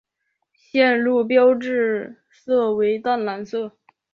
线路标志色为淡蓝色。